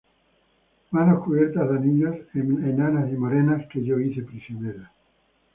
manos cubiertas de anillos, enanas y morenas, que yo hice prisioneras.